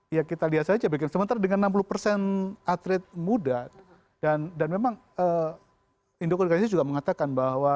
ya kita lihat saja sementara dengan enam puluh persen atlet muda dan memang induk organisasi juga mengatakan bahwa